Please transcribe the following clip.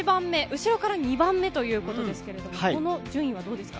後ろから２番目ということですが、この順位はどうですか？